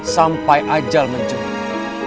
sampai ajal menjumpai